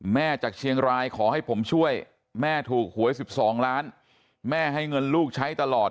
จากเชียงรายขอให้ผมช่วยแม่ถูกหวย๑๒ล้านแม่ให้เงินลูกใช้ตลอด